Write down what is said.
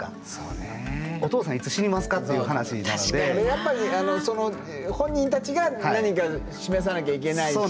やっぱりその本人たちが何か示さなきゃいけないし。